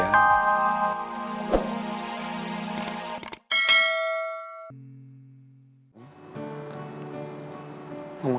kamu nggak suka sama aku sampai kapan